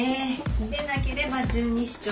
でなければ十二指腸。